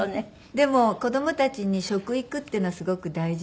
でも子供たちに食育っていうのはすごく大事でね。